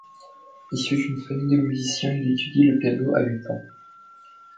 Issu d'une famille de musiciens, il étudie le piano à huit ans.